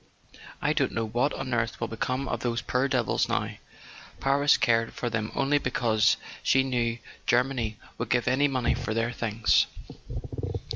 "I don't know what on earth will become of all those poor devils now: Paris cared for them only because she knew Germany would [ 162 ] A SON AT THE FRONT give any money for their things.